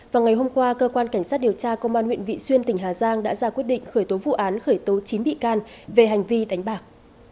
vào ngày hôm qua cơ quan cảnh sát điều tra công an huyện vị xuyên tỉnh hà giang đã ra quyết định khởi tố vụ án khởi tố chín bị can về hành vi đánh bạc